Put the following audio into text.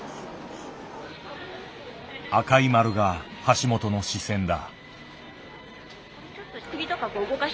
赤い丸が橋本の視線だ。